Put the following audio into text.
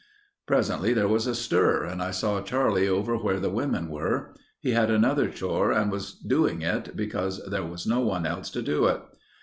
Presently there was a stir and I saw Charlie over where the women were. He had another chore and was doing it because there was no one else to do it.